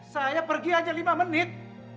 saya pergi aja lima menit